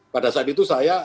pada saat itu saya